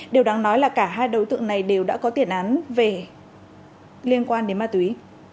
điều đáng nói là cả hai đối tượng này đều đã có tiền án về liên quan đến ma túy